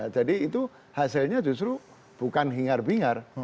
jadi itu hasilnya justru bukan hingar bingar